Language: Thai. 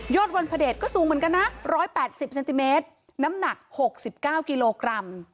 วันพระเดชก็สูงเหมือนกันนะ๑๘๐เซนติเมตรน้ำหนัก๖๙กิโลกรัม